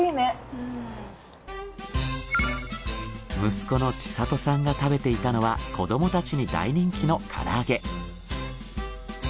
息子の知慧さんが食べていたのは子どもたちに大人気の唐揚げ。